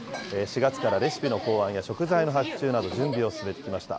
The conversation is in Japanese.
４月からレシピの考案や食材の発注など、準備を進めてきました。